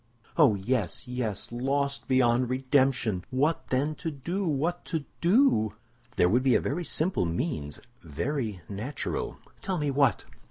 "Oh, yes, yes; lost beyond redemption! What, then, to do? What to do?" "There would be a very simple means, very natural—" "Tell me what!"